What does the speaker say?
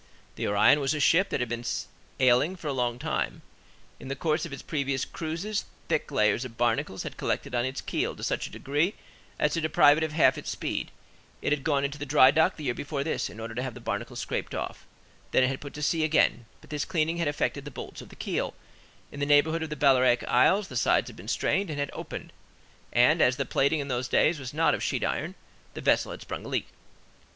The Orion was a ship that had been ailing for a long time; in the course of its previous cruises thick layers of barnacles had collected on its keel to such a degree as to deprive it of half its speed; it had gone into the dry dock the year before this, in order to have the barnacles scraped off, then it had put to sea again; but this cleaning had affected the bolts of the keel: in the neighborhood of the Balearic Isles the sides had been strained and had opened; and, as the plating in those days was not of sheet iron, the vessel had sprung a leak.